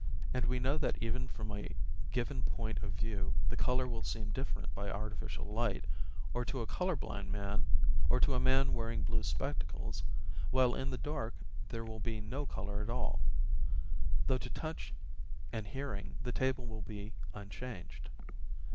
And we know that even from a given point of view the colour will seem different by artificial light, or to a colour blind man, or to a man wearing blue spectacles, while in the dark there will be no colour at all, though to touch and hearing the table will be unchanged.